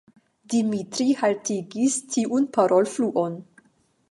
Dimitri haltigis tiun parolfluon.